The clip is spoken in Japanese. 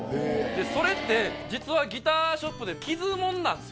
それって実はギターショップで傷モンなんですよ。